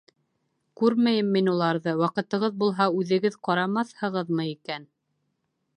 — Күрмәйем мин уларҙы, ваҡытығыҙ булһа, үҙегеҙ ҡарамаҫһығыҙмы икән?